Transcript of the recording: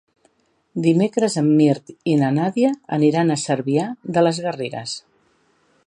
Dimecres en Mirt i na Nàdia aniran a Cervià de les Garrigues.